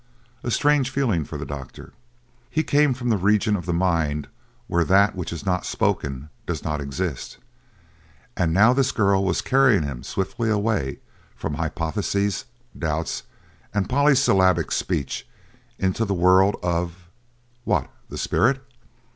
A strange feeling for the doctor! He came from the region of the mind where that which is not spoken does not exist, and now this girl was carrying him swiftly away from hypotheses, doubts, and polysyllabic speech into the world of what? The spirit?